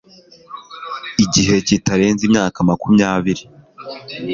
igihe kitarenze imyaka makumyabiri